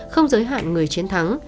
không giới hạn người chiến thắng